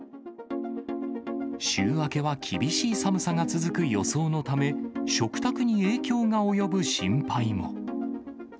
週明けは厳しい寒さの続く予想のため、食卓に影響が及ぶ心配も。